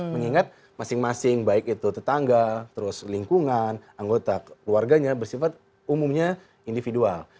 mengingat masing masing baik itu tetangga terus lingkungan anggota keluarganya bersifat umumnya individual